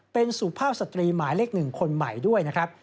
เป็นสุภาพสตรีหมายเลข๑คนใหม่ด้วยนะครับ